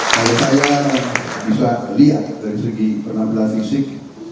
kalau saya bisa lihat dari segi penampilan fisik